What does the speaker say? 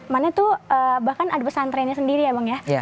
mana tuh bahkan ada pesantrennya sendiri ya bang ya